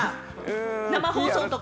生放送とか。